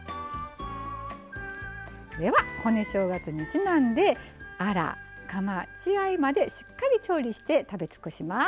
では骨正月にちなんでアラカマ血合いまでしっかり調理して食べ尽くします。